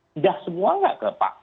sudah semua tidak ke pak